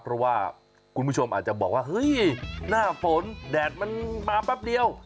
เพราะว่าคุณผู้ชมอาจจะบอกว่าเฮ้ยหน้าฝนแดดมันมาแป๊บเดียว